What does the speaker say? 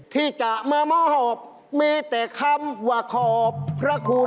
ที่จะมามอบหอบมีแต่คำว่าขอบพระคุณ